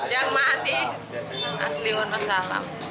yang manis asli wonosalam